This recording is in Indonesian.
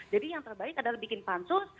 jadi yang terbaik adalah bikin pansus